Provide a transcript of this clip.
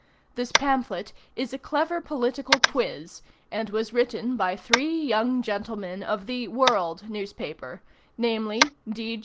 This pamphlet is a clever political quiz; and was written by three young gentlemen of the "World" newspaper, namely.